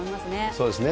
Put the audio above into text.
そうですね。